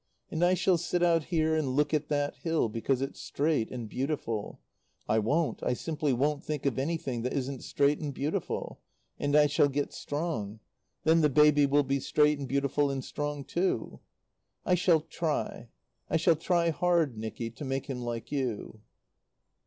And I shall sit out here and look at that hill, because it's straight and beautiful. I won't I simply won't think of anything that isn't straight and beautiful. And I shall get strong. Then the baby will be straight and beautiful and strong, too. "I shall try I shall try hard, Nicky to make him like you."